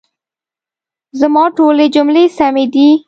زما ټولي جملې سمي دي؟